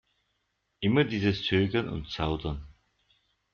Immer dieses Zögern und Zaudern!